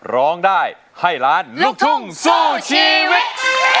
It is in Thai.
ร้องได้ให้ล้านลูกทุ่งสู้ชีวิต